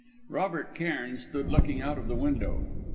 Robert Cairn stood looking out of the window.